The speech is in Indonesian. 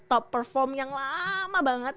top perform yang lama banget